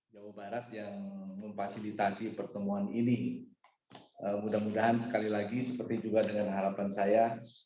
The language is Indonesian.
jawa barat yang memfasilitasi pertemuan ini mudah mudahan sekali lagi seperti juga dengan harapan saya